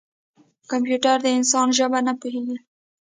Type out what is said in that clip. کمپیوټر د انسان ژبه نه پوهېږي.